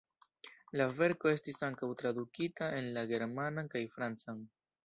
La verko estis ankaŭ tradukita en la germanan kaj francan.